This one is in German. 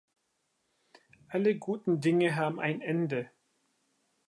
Alle guten Dinge haben ein Ende.